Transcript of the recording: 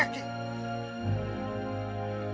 tapi aku harus menghubungi gumara dulu